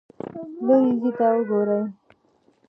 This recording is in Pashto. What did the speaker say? لیرې ځای ته وګورئ.